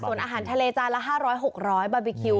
ส่วนอาหารทะเลจานละ๕๐๐๖๐๐บาร์บีคิว